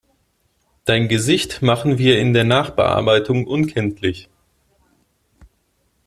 Dein Gesicht machen wir in der Nachbearbeitung unkenntlich.